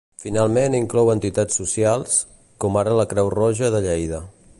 Finalment inclou entitats socials, com ara la Creu Roja de Lleida.